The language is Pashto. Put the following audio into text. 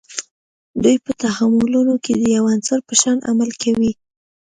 دوی په تعاملونو کې د یوه عنصر په شان عمل کوي.